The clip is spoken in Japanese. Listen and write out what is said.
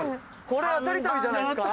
これアタリ旅じゃないですか？